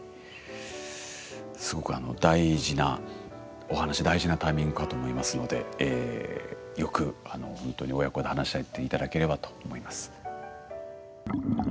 すごくあの大事なお話大事なタイミングかと思いますのでよくほんとに親子で話し合って頂ければと思います。